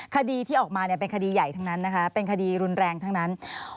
คดีที่ออกมาเป็นคดีใหญ่ทั้งนั้นนะคะเป็นคดีรุนแรงทั้งนั้น